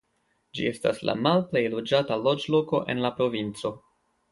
Ĝi estas la malplej loĝata loĝloko en la provinco.